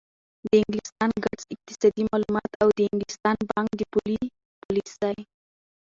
د انګلستان ګډ اقتصادي معلومات او د انګلستان بانک د پولي پالیسۍ